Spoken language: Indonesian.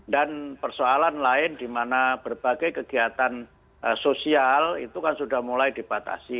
dan persoalan lain di mana berbagai kegiatan sosial itu kan sudah mulai dipatasi